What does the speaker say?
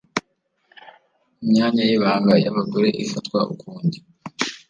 imyanya y'ibanga y'abagore ifatwa ukundi